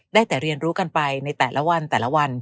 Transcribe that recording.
ได้แต่เรียนรู้กันไปในแต่ละวันแต่ละวัน